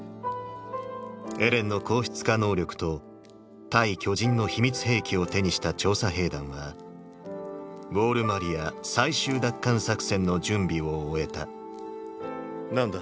エレンの硬質化能力と対巨人の秘密兵器を手にした調査兵団はウォール・マリア最終奪還作戦の準備を終えた何だ？